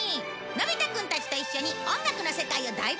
のび太くんたちと一緒に音楽の世界を大冒険するよ！